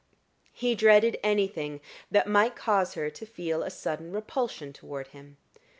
He dreaded anything that might cause her to feel a sudden repulsion toward him.